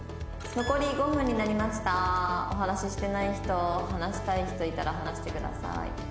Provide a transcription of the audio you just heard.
「残り５分になりました」「お話ししてない人話したい人いたら話してください」